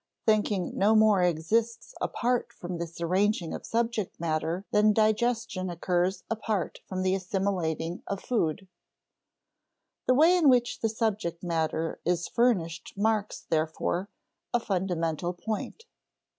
Thinking no more exists apart from this arranging of subject matter than digestion occurs apart from the assimilating of food. The way in which the subject matter is furnished marks, therefore, a fundamental point.